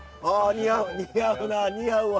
似合うな似合うわ